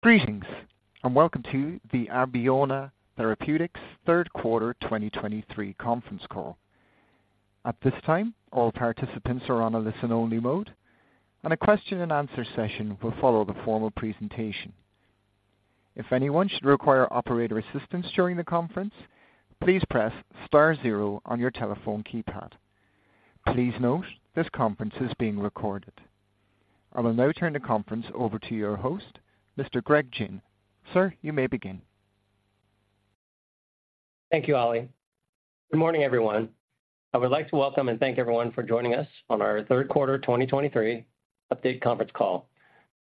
Greetings, and welcome to the Abeona Therapeutics Third Quarter 2023 Conference Call. At this time, all participants are on a listen-only mode, and a question and answer session will follow the formal presentation. If anyone should require operator assistance during the conference, please press star zero on your telephone keypad. Please note, this conference is being recorded. I will now turn the conference over to your host, Mr. Greg Gin. Sir, you may begin. Thank you, Ali. Good morning, everyone. I would like to welcome and thank everyone for joining us on our third quarter 2023 update conference call.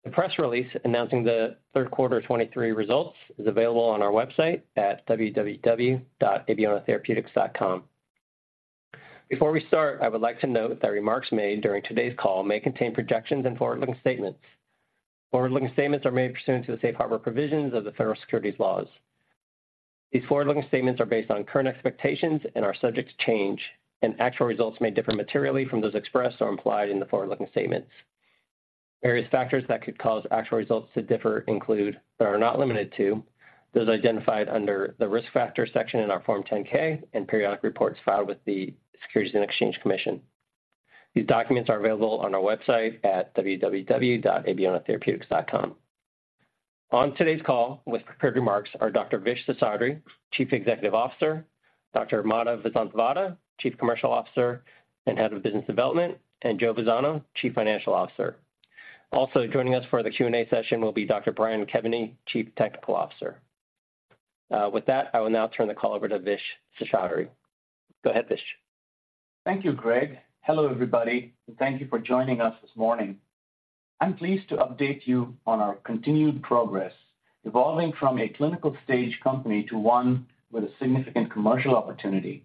The press release announcing the third quarter 2023 results is available on our website at www.abeonatherapeutics.com. Before we start, I would like to note that remarks made during today's call may contain projections and forward-looking statements. Forward-looking statements are made pursuant to the safe harbor provisions of the Federal Securities laws. These forward-looking statements are based on current expectations and are subject to change, and actual results may differ materially from those expressed or implied in the forward-looking statements. Various factors that could cause actual results to differ include, but are not limited to, those identified under the Risk Factors section in our Form 10-K and periodic reports filed with the Securities and Exchange Commission. These documents are available on our website at www.abeonatherapeutics.com. On today's call with prepared remarks are Dr. Vish Seshadri, Chief Executive Officer; Dr. Madhav Vasanthavada, Chief Commercial Officer and Head of Business Development; and Joe Vazzano, Chief Financial Officer. Also, joining us for the Q&A session will be Dr. Brian Kevany, Chief Technical Officer. With that, I will now turn the call over to Vish Seshadri. Go ahead, Vish. Thank you, Greg. Hello, everybody, and thank you for joining us this morning. I'm pleased to update you on our continued progress, evolving from a clinical-stage company to one with a significant commercial opportunity.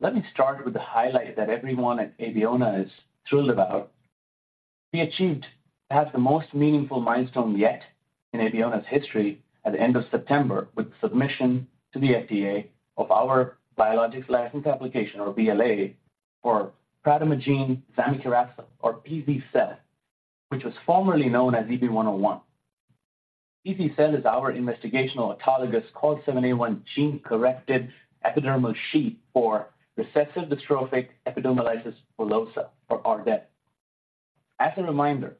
Let me start with the highlight that everyone at Abeona is thrilled about. We achieved perhaps the most meaningful milestone yet in Abeona's history at the end of September, with submission to the FDA of our Biologics License Application, or BLA, for prademagene zamikeracel, or pz-cel, which was formerly known as EB-101. pz-cel is our investigational autologous COL7A1 gene-corrected epidermal sheet for recessive dystrophic epidermolysis bullosa, or RDEB. As a reminder,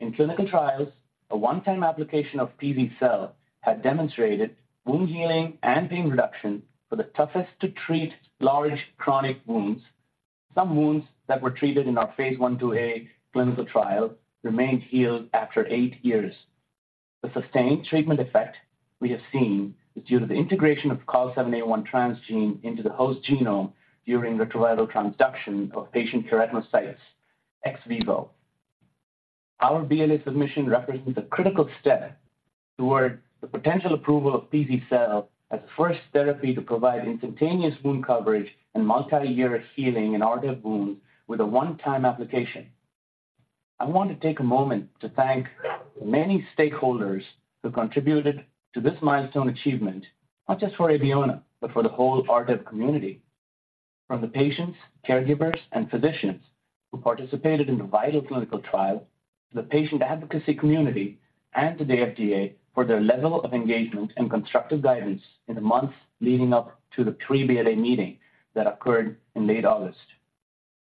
in clinical trials, a one-time application of pz-cel had demonstrated wound healing and pain reduction for the toughest to treat large chronic wounds. Some wounds that were treated in our phase I, II-A clinical trial remained healed after eight years. The sustained treatment effect we have seen is due to the integration of COL7A1 transgene into the host genome during retroviral transduction of patient keratinocytes ex vivo. Our BLA submission represents a critical step towards the potential approval of pz-cel as the first therapy to provide instantaneous wound coverage and multi-year healing in RDEB wounds with a one-time application. I want to take a moment to thank the many stakeholders who contributed to this milestone achievement, not just for Abeona, but for the whole RDEB community. From the patients, caregivers, and physicians who participated in the VIITAL clinical trial, the patient advocacy community, and to the FDA for their level of engagement and constructive guidance in the months leading up to the pre-BLA meeting that occurred in late August.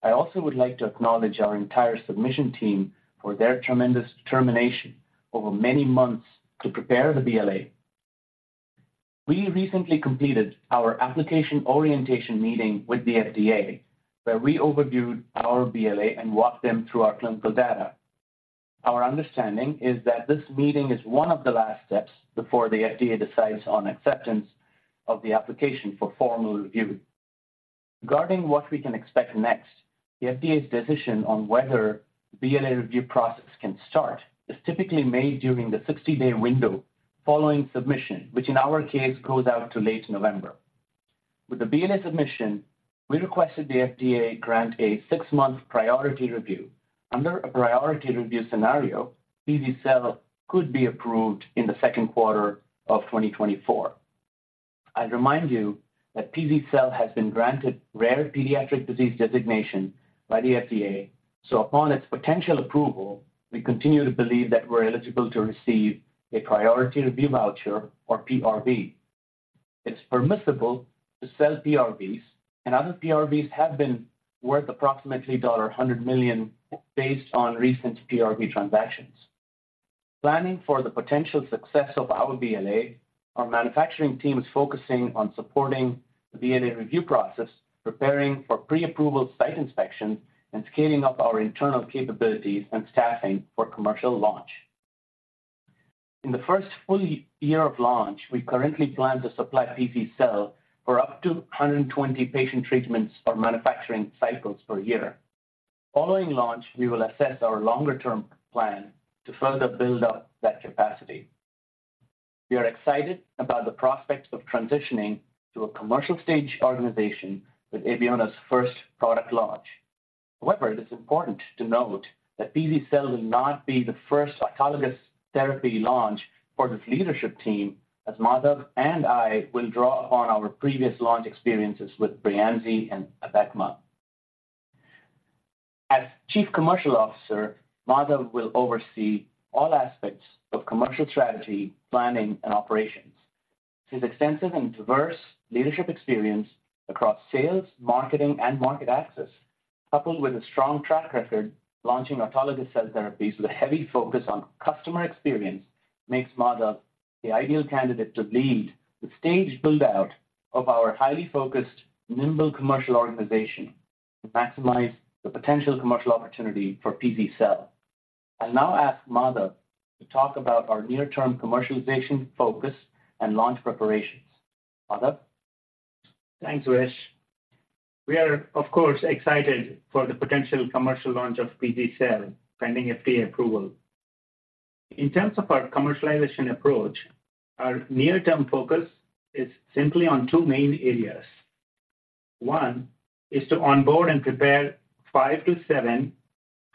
I also would like to acknowledge our entire submission team for their tremendous determination over many months to prepare the BLA. We recently completed our application orientation meeting with the FDA, where we overviewed our BLA and walked them through our clinical data. Our understanding is that this meeting is one of the last steps before the FDA decides on acceptance of the application for formal review. Regarding what we can expect next, the FDA's decision on whether the BLA review process can start is typically made during the 60-day window following submission, which in our case, goes out to late November. With the BLA submission, we requested the FDA grant a six-month priority review. Under a priority review scenario, pz-cel could be approved in the second quarter of 2024. I'd remind you that pz-cel has been granted rare pediatric disease designation by the FDA, so upon its potential approval, we continue to believe that we're eligible to receive a priority review voucher or PRV. It's permissible to sell PRVs, and other PRVs have been worth approximately $100 million, based on recent PRV transactions. Planning for the potential success of our BLA, our manufacturing team is focusing on supporting the BLA review process, preparing for pre-approval site inspections, and scaling up our internal capabilities and staffing for commercial launch. In the first full year of launch, we currently plan to supply pz-cel for up to 120 patient treatments or manufacturing cycles per year. Following launch, we will assess our longer-term plan to further build up that capacity. We are excited about the prospects of transitioning to a commercial stage organization with Abeona's first product launch. However, it is important to note that pz-cel will not be the first autologous therapy launch for this leadership team, as Madhav and I will draw upon our previous launch experiences with Breyanzi and Abecma. As Chief Commercial Officer, Madhav will oversee all aspects of commercial strategy, planning, and operations. His extensive and diverse leadership experience across sales, marketing, and market access, coupled with a strong track record launching autologous cell therapies with a heavy focus on customer experience, makes Madhav the ideal candidate to lead the stage build-out of our highly focused, nimble commercial organisation to maximise the potential commercial opportunity for pz-cel. I'll now ask Madhav to talk about our near-term commercialisation focus and launch preparations. Madhav? Thanks, Vish. We are, of course, excited for the potential commercial launch of pz-cel, pending FDA approval. In terms of our commercialization approach, our near-term focus is simply on two main areas. One, is to onboard and prepare 5-7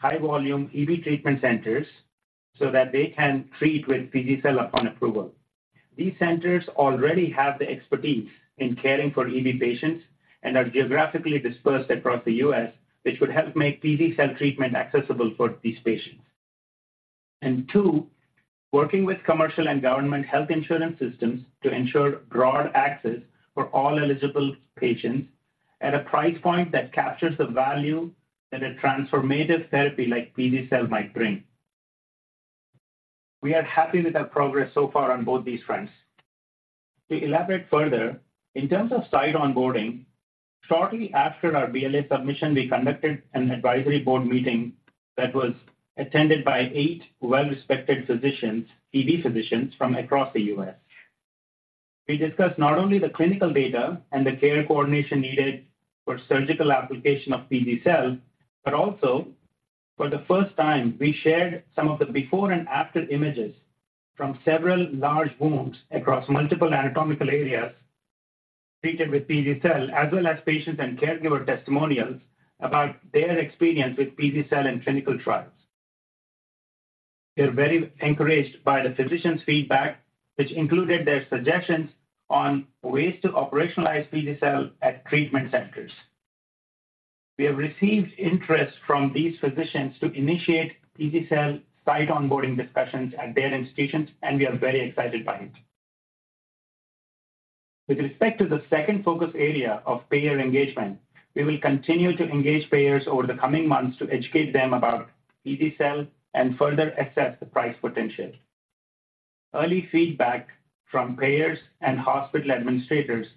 high-volume EB treatment centres so that they can treat with pz-cel upon approval. These centres already have the expertise in caring for EB patients and are geographically dispersed across the U.S., which would help make pz-cel treatment accessible for these patients. And two, working with commercial and government health insurance systems to ensure broad access for all eligible patients at a price point that captures the value that a transformative therapy like pz-cel might bring. We are happy with our progress so far on both these fronts. To elaborate further, in terms of site onboarding, shortly after our BLA submission, we conducted an advisory board meeting that was attended by eight well-respected physicians, EB physicians, from across the U.S. We discussed not only the clinical data and the care coordination needed for surgical application of pz-cel, but also, for the first time, we shared some of the before and after images from several large wounds across multiple anatomical areas treated with pz-cel, as well as patients' and caregiver testimonials about their experience with pz-cel in clinical trials. We are very encouraged by the physicians' feedback, which included their suggestions on ways to operationalise pz-cel at treatment centres. We have received interest from these physicians to initiate pz-cel site onboarding discussions at their institutions, and we are very excited by it. With respect to the second focus area of payer engagement, we will continue to engage payers over the coming months to educate them about pz-cel and further assess the price potential. Early feedback from payers and hospital administrators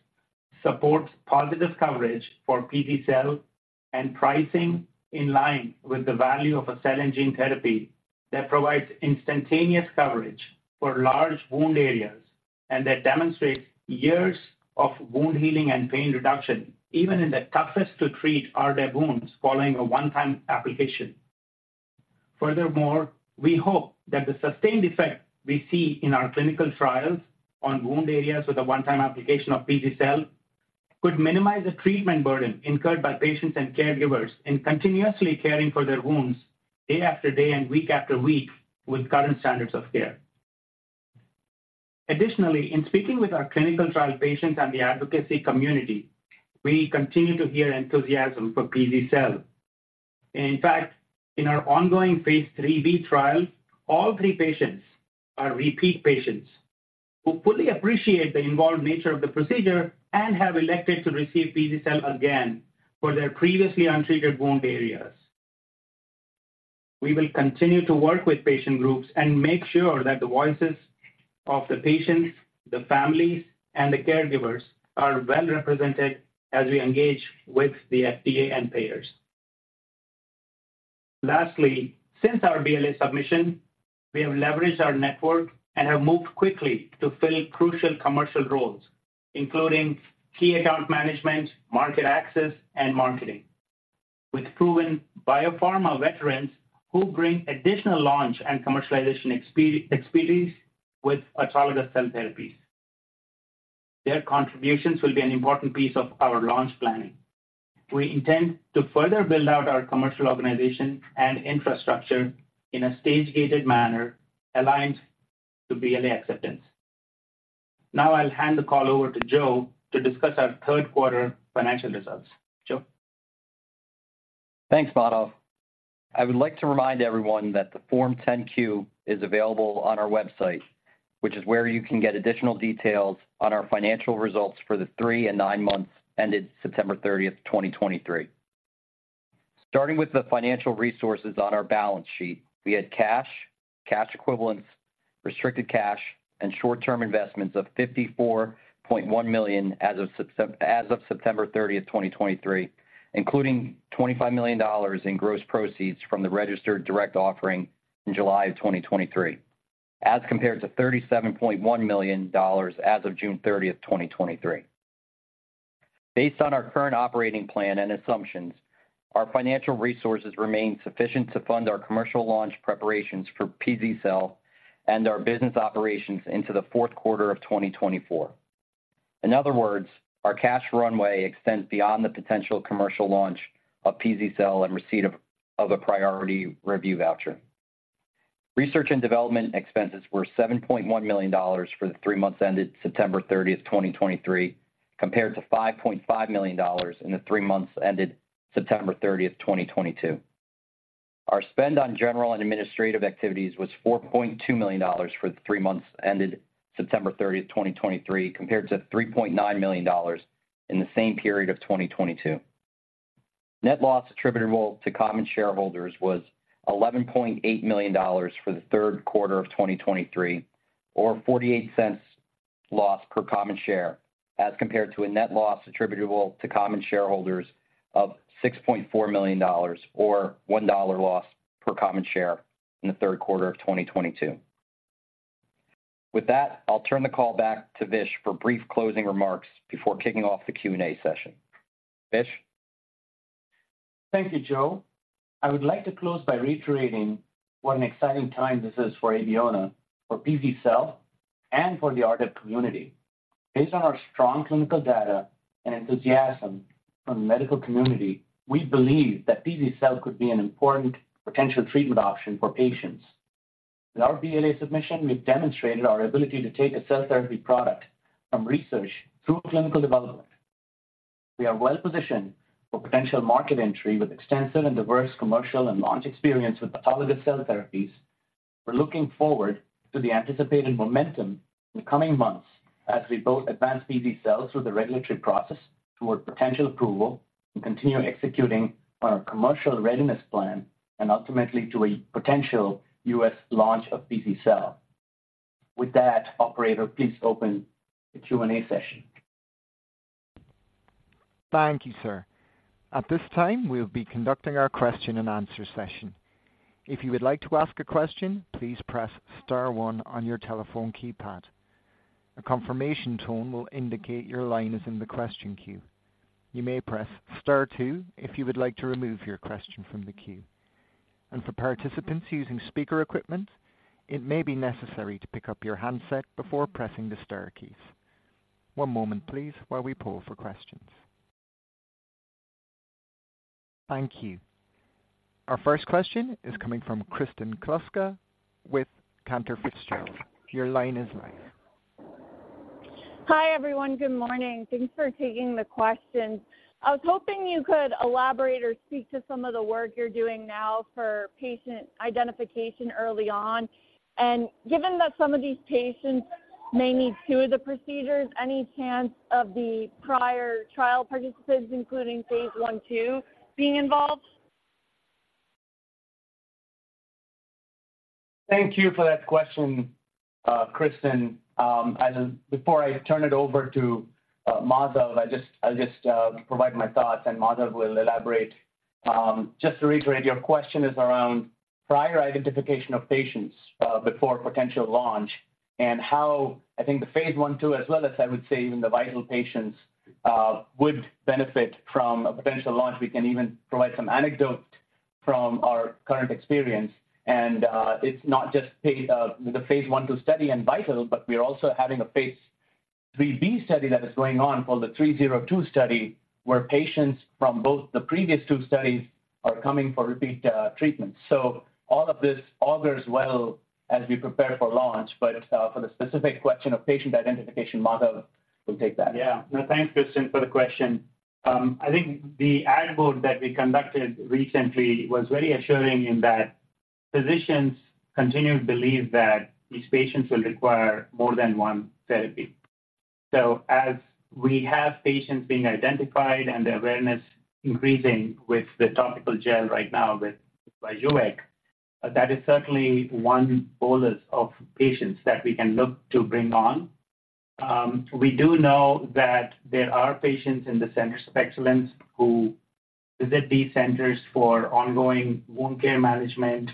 supports positive coverage for pz-cel and pricing in line with the value of a cell and gene therapy that provides instantaneous coverage for large wound areas, and that demonstrates years of wound healing and pain reduction, even in the toughest-to-treat RDEB wounds following a one-time application. Furthermore, we hope that the sustained effect we see in our clinical trials on wound areas with a one-time application of pz-cel could minimize the treatment burden incurred by patients and caregivers in continuously caring for their wounds day after day and week after week with current standards of care. Additionally, in speaking with our clinical trial patients and the advocacy community, we continue to hear enthusiasm for pz-cel. In fact, in our ongoing phase III-B trial, all three patients are repeat patients who fully appreciate the involved nature of the procedure and have elected to receive pz-cel again for their previously untreated wound areas. We will continue to work with patient groups and make sure that the voices of the patients, the families, and the caregivers are well represented as we engage with the FDA and payers. Lastly, since our BLA submission, we have leveraged our network and have moved quickly to fill crucial commercial roles, including key account management, market access, and marketing, with proven biopharma veterans who bring additional launch and commercialization experience with autologous cell therapies. Their contributions will be an important piece of our launch planning. We intend to further build out our commercial organization and infrastructure in a stage-gated manner aligned to BLA acceptance. Now I'll hand the call over to Joe to discuss our third quarter financial results. Joe? Thanks, Madhav. I would like to remind everyone that the Form 10-Q is available on our website, which is where you can get additional details on our financial results for the three and nine months ended September 30th, 2023. Starting with the financial resources on our balance sheet, we had cash, cash equivalents, restricted cash, and short-term investments of $54.1 million as of September 30th, 2023, including $25 million in gross proceeds from the registered direct offering in July 2023, as compared to $37.1 million as of June 30th, 2023. Based on our current operating plan and assumptions, our financial resources remain sufficient to fund our commercial launch preparations for pz-cel and our business operations into the fourth quarter of 2024. In other words, our cash runway extends beyond the potential commercial launch of pz-cel and receipt of a priority review voucher. Research and development expenses were $7.1 million for the three months ended September 30th, 2023, compared to $5.5 million in the three months ended September 30th, 2022. Our spend on general and administrative activities was $4.2 million for the three months ended September 30th, 2023, compared to $3.9 million in the same period of 2022. Net loss attributable to common shareholders was $11.8 million for the third quarter of 2023, or $0.48 loss per common share, as compared to a net loss attributable to common shareholders of $6.4 million or $1 loss per common share in the third quarter of 2022. With that, I'll turn the call back to Vish for brief closing remarks before kicking off the Q&A session. Vish? Thank you, Joe. I would like to close by reiterating what an exciting time this is for Abeona, for pz-cel, and for the RDEB community. Based on our strong clinical data and enthusiasm from the medical community, we believe that pz-cel could be an important potential treatment option for patients. With our BLA submission, we've demonstrated our ability to take a cell therapy product from research through clinical development. We are well positioned for potential market entry with extensive and diverse commercial and launch experience with autologous cell therapies. We're looking forward to the anticipated momentum in the coming months as we both advance pz-cel through the regulatory process toward potential approval and continue executing on our commercial readiness plan and ultimately to a potentialh p launch of pz-cel. With that, operator, please open the Q&A session. Thank you, sir. At this time, we'll be conducting our question and answer session. If you would like to ask a question, please press star one on your telephone keypad. A confirmation tone will indicate your line is in the question queue. You may press star two if you would like to remove your question from the queue. For participants using speaker equipment, it may be necessary to pick up your handset before pressing the star keys. One moment please, while we poll for questions. Thank you. Our first question is coming from Kristen Kluska with Cantor Fitzgerald. Your line is live. Hi, everyone. Good morning. Thanks for taking the questions. I was hoping you could elaborate or speak to some of the work you're doing now for patient identification early on, and given that some of these patients may need two of the procedures, any chance of the prior trial participants, including phase I, II, being involved? Thank you for that question, Kristen. Before I turn it over to Madhav, I'll just provide my thoughts, and Madhav will elaborate. Just to reiterate, your question is around prior identification of patients before potential launch and how I think the phase I, II, as well as I would say even the VIITAL patients, would benefit from a potential launch. We can even provide some anecdote from our current experience, and it's not just the phase I, II study and VIITAL, but we are also having a phase III-B study that is going on, called the 302 study, where patients from both the previous two studies are coming for repeat treatments. All of this augurs well as we prepare for launch, but for the specific question of patient identification, Madhav will take that. Yeah. No, thanks, Kristen, for the question. I think the ad board that we conducted recently was really assuring in that physicians continue to believe that these patients will require more than one therapy. So as we have patients being identified and the awareness increasing with the topical gel right now with Vyjuvek, that is certainly one bolus of patients that we can look to bring on. We do know that there are patients in the centres of excellence who visit these centres for ongoing wound care management,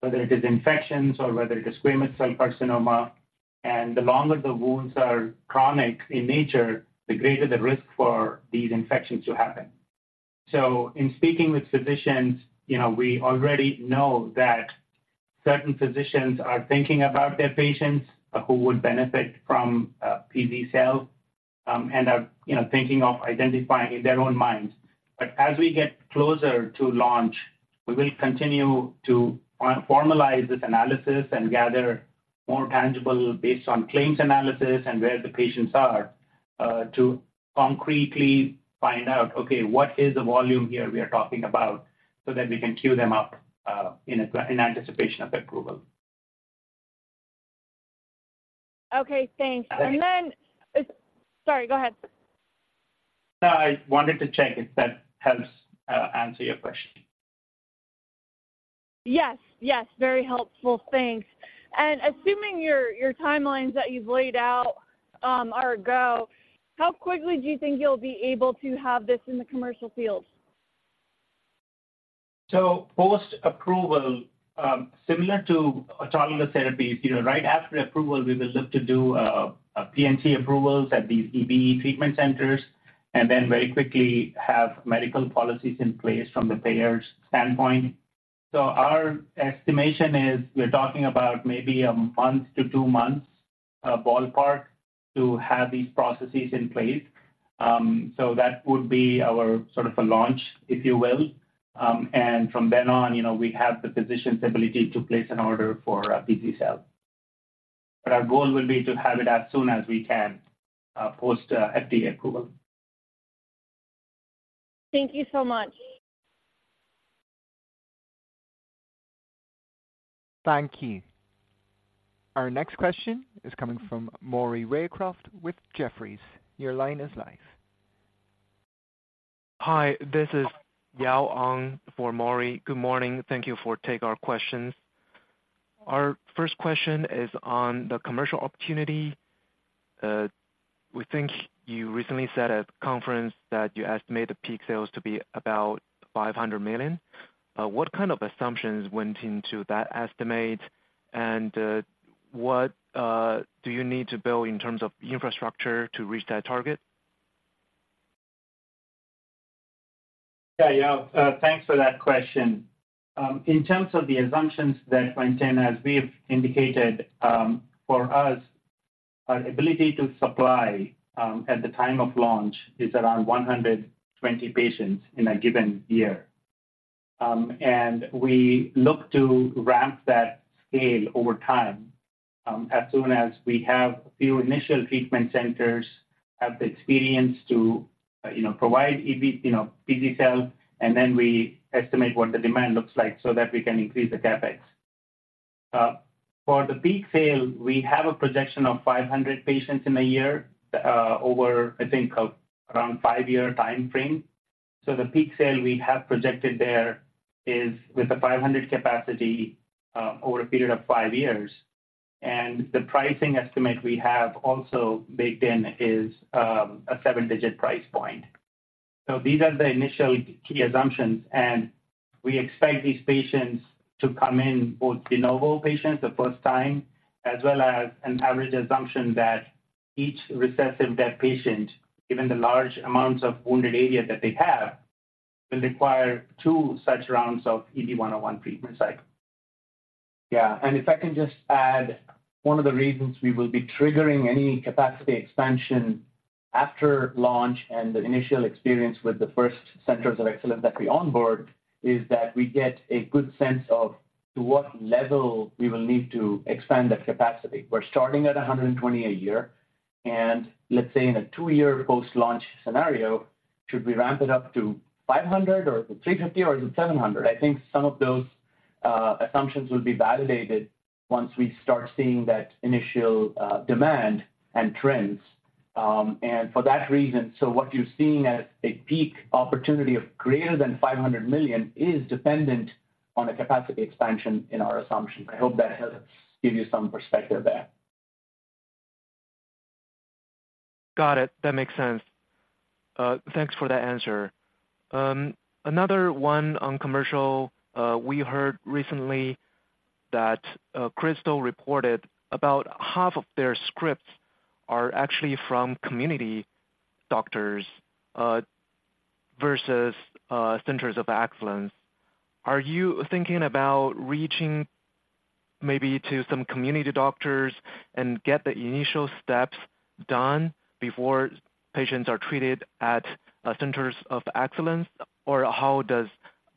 whether it is infections or whether it is squamous cell carcinoma, and the longer the wounds are chronic in nature, the greater the risk for these infections to happen. So in speaking with physicians, you know, we already know that certain physicians are thinking about their patients who would benefit from pz-cel, and are, you know, thinking of identifying in their own minds. But as we get closer to launch, we will continue to formalise this analysis and gather more tangible based on claims analysis and where the patients are to concretely find out, okay, what is the volume here we are talking about? So that we can queue them up in anticipation of the approval. Okay, thanks. Thank you. And then, Sorry, go ahead. No, I wanted to check if that helps answer your question. Yes, yes, very helpful. Thanks. And assuming your timelines that you've laid out, are a go, how quickly do you think you'll be able to have this in the commercial field? So post-approval, similar to autologous therapies, you know, right after approval, we will look to do a P&T approvals at these EB treatment centres, and then very quickly have medical policies in place from the payers' standpoint. So our estimation is we're talking about maybe a month to two months, a ballpark to have these processes in place. So that would be our sort of a launch, if you will. And from then on, you know, we have the physician's ability to place an order for pz-cel. But our goal will be to have it as soon as we can post FDA approval. Thank you so much. Thank you. Our next question is coming from Maury Raycroft with Jefferies. Your line is live. Hi, this is Yao Ang for Maury. Good morning. Thank you for take our questions. Our first question is on the commercial opportunity. We think you recently said at conference that you estimate the peak sales to be about $500 million. What kind of assumptions went into that estimate? And, what do you need to build in terms of infrastructure to reach that target? Yeah, Yao, thanks for that question. In terms of the assumptions that went in, as we have indicated, for us, our ability to supply, at the time of launch is around 120 patients in a given year. And we look to ramp that scale over time, as soon as we have a few initial treatment centres, have the experience to, you know, provide EB, you know, pz-cel, and then we estimate what the demand looks like so that we can increase the CapEx. For the peak sale, we have a projection of 500 patients in a year, over, I think, around five-year timeframe. So the peak sale we have projected there is with a 500 capacity, over a period of five years, and the pricing estimate we have also baked in is a seven-digit price point. So these are the initial key assumptions, and we expect these patients to come in, both de novo patients, the first time, as well as an average assumption that each recessive DEB patient, given the large amounts of wounded area that they have, will require two such rounds of EB-101 treatment cycle. Yeah, and if I can just add, one of the reasons we will be triggering any capacity expansion after launch and the initial experience with the first centres of excellence that we onboard, is that we get a good sense of to what level we will need to expand that capacity. We're starting at 120 a year, and let's say in a two-year post-launch scenario, should we ramp it up to 500 or 350, or is it 700? I think some of those assumptions will be validated once we start seeing that initial demand and trends. And for that reason, so what you're seeing as a peak opportunity of greater than $500 million is dependent on a capacity expansion in our assumption. I hope that helps give you some perspective there. Got it. That makes sense. Thanks for that answer. Another one on commercial. We heard recently that Krystal reported about half of their scripts are actually from community doctors versus centres of excellence. Are you thinking about reaching maybe to some community doctors and get the initial steps done before patients are treated at centres of excellence? Or how does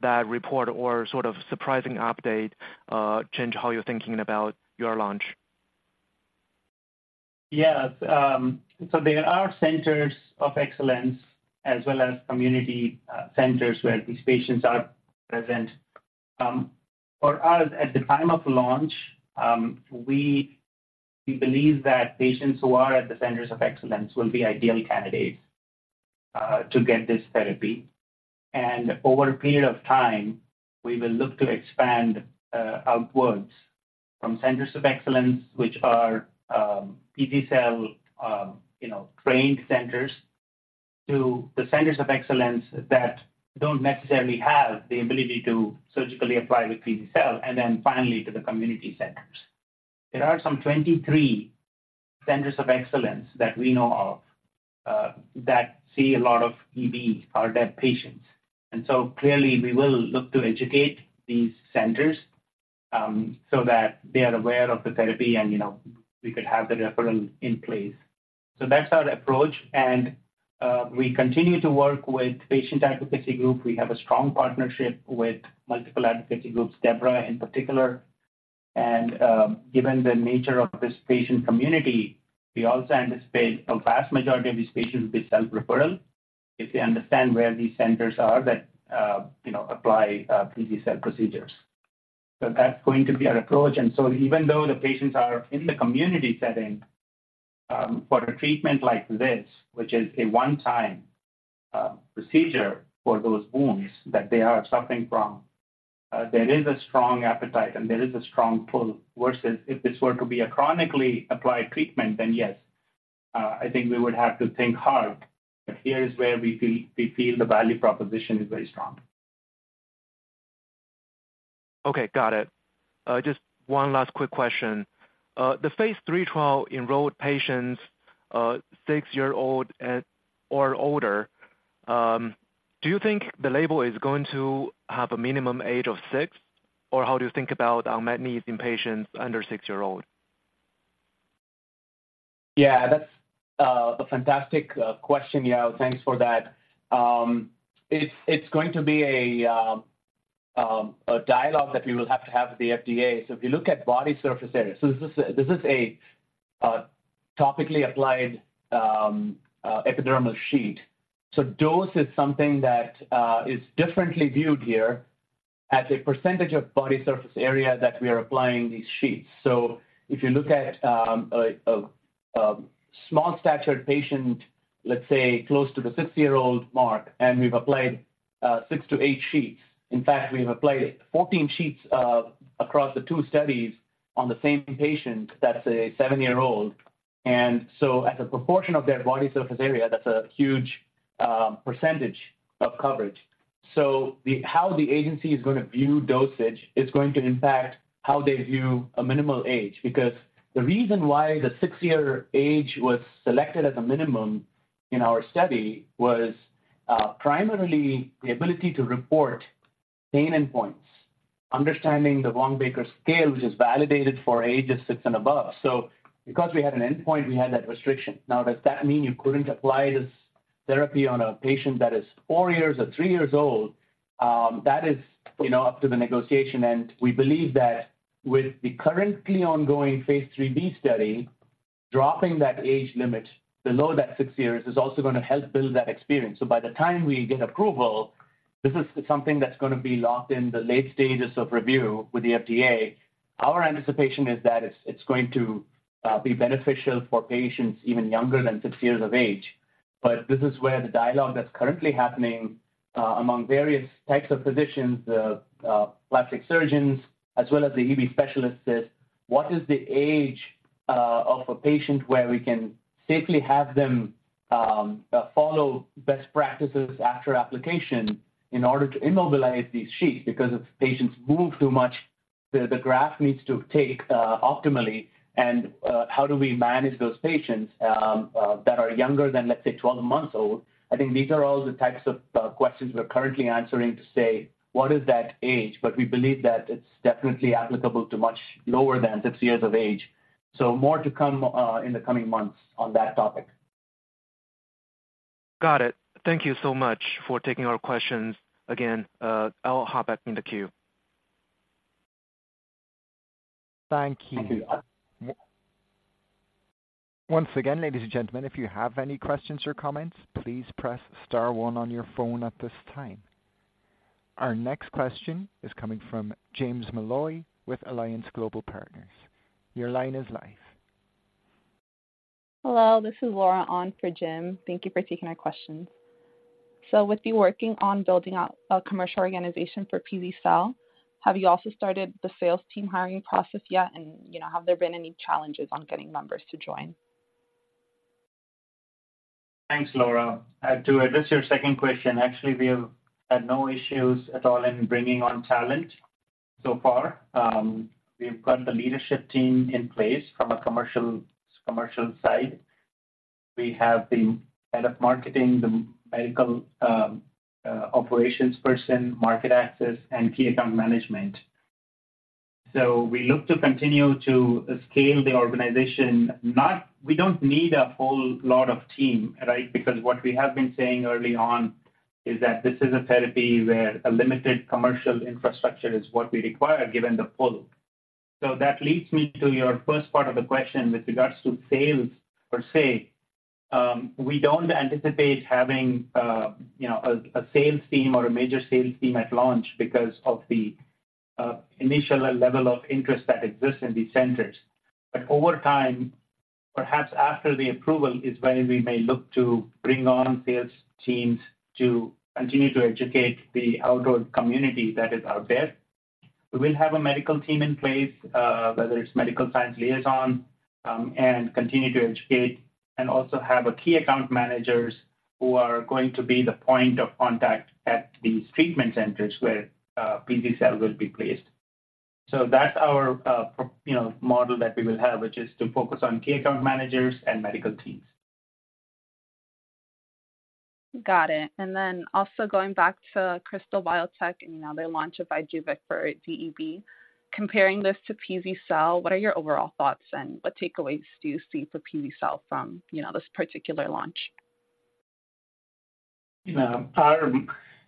that report or sort of surprising update change how you're thinking about your launch? Yes. So there are centres of excellence as well as community centres where these patients are present. For us, at the time of launch, we believe that patients who are at the centres of excellence will be ideal candidates to get this therapy. And over a period of time, we will look to expand outwards from centres of excellence, which are pz-cel, you know, trained centres, to the centres of excellence that don't necessarily have the ability to surgically apply the pz-cel, and then finally to the community centres. There are some 23 centres of excellence that we know of that see a lot of EB or DEB patients. And so clearly we will look to educate these centres so that they are aware of the therapy and, you know, we could have the referral in place. So that's our approach, and we continue to work with patient advocacy group. We have a strong partnership with multiple advocacy groups, debra in particular. And given the nature of this patient community, we also anticipate a vast majority of these patients will be self-referral if they understand where these centres are that you know apply pz-cel procedures. So that's going to be our approach. And so even though the patients are in the community setting, for a treatment like this, which is a one-time procedure for those wounds that they are suffering from, there is a strong appetite, and there is a strong pull. Versus if this were to be a chronically applied treatment, then yes I think we would have to think hard. But here is where we feel, we feel the value proposition is very strong. Okay, got it. Just one last quick question. The phase III trial enrolled patients six-year-olds and/or older. Do you think the label is going to have a minimum age of six, or how do you think about unmet needs in patients under six-year-olds? Yeah, that's a fantastic question, Yao. Thanks for that. It's going to be a dialogue that we will have to have with the FDA. So if you look at body surface area, this is a topically applied epidermal sheet. So dose is something that is differently viewed here as a percentage of body surface area that we are applying these sheets. So if you look at a small-statured patient, let's say, close to the six-year-old mark, and we've applied 6-8 sheets. In fact, we've applied 14 sheets across the two studies on the same patient, that's a seven-year-old. And so as a proportion of their body surface area, that's a huge percentage of coverage. So how the agency is going to view dosage is going to impact how they view a minimal age. Because the reason why the six-year age was selected as a minimum in our study was primarily the ability to report pain endpoints, understanding the Wong-Baker Scale, which is validated for ages six and above. So because we had an endpoint, we had that restriction. Now, does that mean you couldn't apply this therapy on a patient that is four years or three years old? That is, you know, up to the negotiation, and we believe that with the currently ongoing phase III-B study, dropping that age limit below that six years is also going to help build that experience. So by the time we get approval, this is something that's going to be locked in the late stages of review with the FDA. Our anticipation is that it's going to be beneficial for patients even younger than six years of age. But this is where the dialogue that's currently happening among various types of physicians, plastic surgeons, as well as the EB specialists, is what is the age of a patient where we can safely have them follow best practices after application in order to immobilise these sheets? Because if patients move too much, the graft needs to take optimally, and how do we manage those patients that are younger than, let's say, 12 months old? I think these are all the types of questions we're currently answering to say: What is that age? But we believe that it's definitely applicable to much lower than six years of age. So more to come, in the coming months on that topic. Got it. Thank you so much for taking our questions again. I'll hop back in the queue. Thank you. Once again, ladies and gentlemen, if you have any questions or comments, please press star one on your phone at this time. Our next question is coming from James Malloy with Alliance Global Partners. Your line is live. Hello, this is Laura on for Jim. Thank you for taking my questions. So with you working on building out a commercial organization for pz-cel, have you also started the sales team hiring process yet? And, you know, have there been any challenges on getting members to join? Thanks, Laura. To address your second question, actually, we have had no issues at all in bringing on talent so far. We've got the leadership team in place from a commercial, commercial side. We have the head of marketing, the medical, operations person, market access, and key account management. So we look to continue to scale the organization, not, we don't need a whole lot of team, right? Because what we have been saying early on is that this is a therapy where a limited commercial infrastructure is what we require, given the pull. So that leads me to your first part of the question with regards to sales per se. We don't anticipate having, you know, a sales team or a major sales team at launch because of the initial level of interest that exists in these centres. But over time, perhaps after the approval, is when we may look to bring on sales teams to continue to educate the outward community that is out there. We will have a medical team in place, whether it's medical science liaison, and continue to educate and also have a key account managers who are going to be the point of contact at these treatment centres where pz-cel will be placed. So that's our, you know, model that we will have, which is to focus on key account managers and medical teams. Got it. And then also going back to Krystal Biotech and, you know, their launch of Vyjuvek for DEB. Comparing this to pz-cel, what are your overall thoughts, and what takeaways do you see for pz-cel from, you know, this particular launch?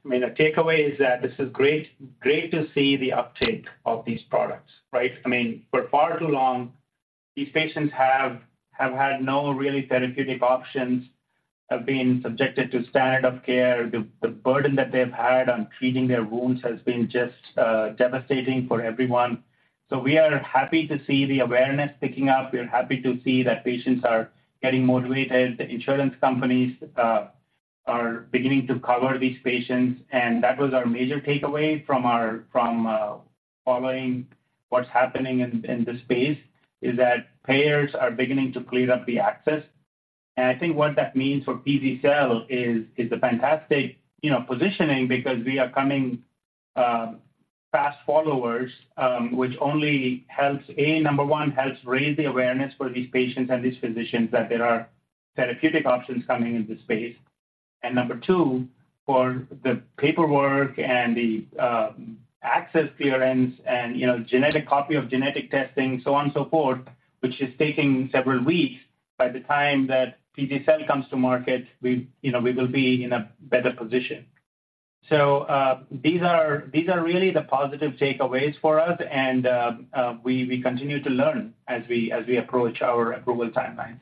I mean, the takeaway is that this is great, great to see the uptake of these products, right? I mean, for far too long, these patients have had no really therapeutic options, have been subjected to standard of care. The burden that they've had on treating their wounds has been just devastating for everyone. So we are happy to see the awareness picking up. We're happy to see that patients are getting motivated. The insurance companies are beginning to cover these patients, and that was our major takeaway from following what's happening in this space, is that payers are beginning to clear up the access. And I think what that means for pz-cel is a fantastic, you know, positioning because we are coming fast followers, which only helps. Number one, helps raise the awareness for these patients and these physicians that there are therapeutic options coming into this space. And number two, for the paperwork and the access clearance and, you know, genetic copy of genetic testing, so on and so forth, which is taking several weeks. By the time that pz-cel comes to market, we, you know, we will be in a better position. So, these are, these are really the positive takeaways for us, and we, we continue to learn as we, as we approach our approval timelines.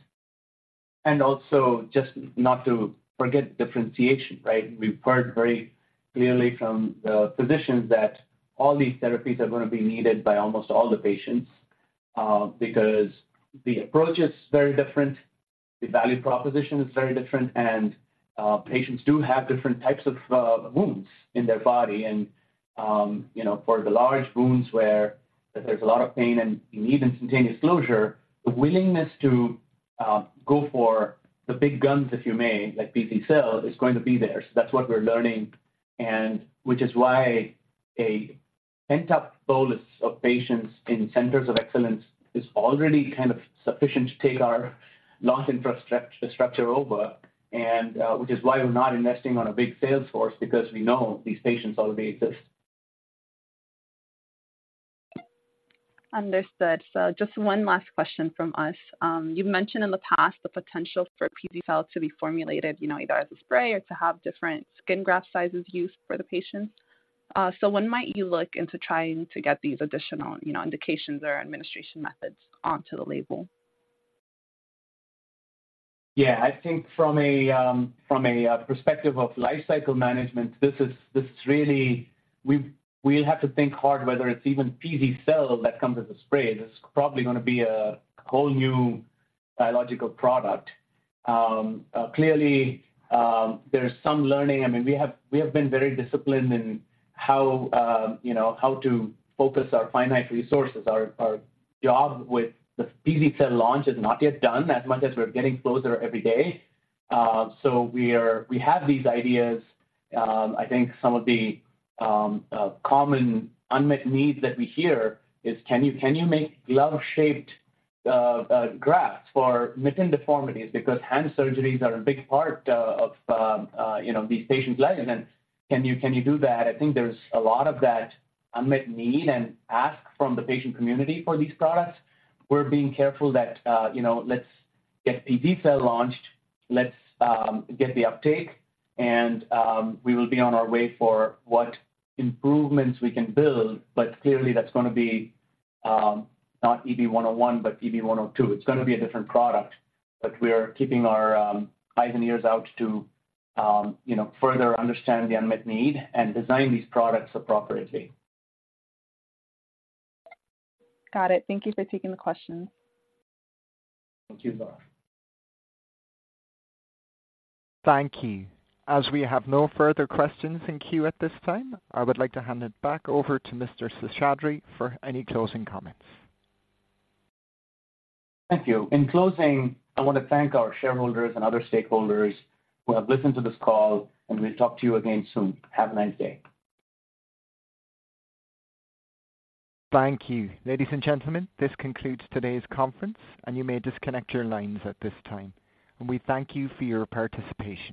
And also, just not to forget differentiation, right? We've heard very clearly from the physicians that all these therapies are going to be needed by almost all the patients, because the approach is very different, the value proposition is very different, and patients do have different types of wounds in their body. And, you know, for the large wounds where there's a lot of pain and you need instantaneous closure, the willingness to go for the big guns, if you may, like pz-cel, is going to be there. So that's what we're learning, and which is why a pent-up bolus of patients in centres of excellence is already kind of sufficient to take our launch infrastructure, structure over, and which is why we're not investing on a big sales force, because we know these patients already exist. Understood. So just one last question from us. You've mentioned in the past the potential for pz-cel to be formulated, you know, either as a spray or to have different skin graft sizes used for the patients. So when might you look into trying to get these additional, you know, indications or administration methods onto the label? Yeah. I think from a perspective of life cycle management, this is really... We have to think hard whether it's even pz-cel that comes as a spray. This is probably gonna be a whole new biological product. Clearly, there's some learning. I mean, we have been very disciplined in how, you know, how to focus our finite resources. Our job with the pz-cel launch is not yet done, as much as we're getting closer every day. So we have these ideas. I think some of the common unmet needs that we hear is, "Can you make glove-shaped grafts for mitten deformities?" Because hand surgeries are a big part of you know, these patients' lives, and then, "Can you do that?" I think there's a lot of that unmet need and ask from the patient community for these products. We're being careful that you know, let's get pz-cel launched, let's get the uptake, and we will be on our way for what improvements we can build. But clearly, that's gonna be not EB-101, but EB-102. It's gonna be a different product, but we are keeping our eyes and ears out to you know, further understand the unmet need and design these products appropriately. Got it. Thank you for taking the question. Thank you, Laura. Thank you. As we have no further questions in queue at this time, I would like to hand it back over to Mr. Seshadri for any closing comments. Thank you. In closing, I want to thank our shareholders and other stakeholders who have listened to this call, and we'll talk to you again soon. Have a nice day. Thank you. Ladies and gentlemen, this concludes today's conference, and you may disconnect your lines at this time. We thank you for your participation.